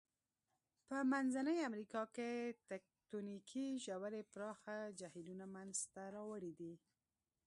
په منځنۍ امریکا کې تکتونیکي ژورې پراخه جهیلونه منځته راوړي دي.